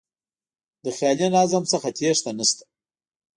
له خیالي نظم څخه تېښته نه شته.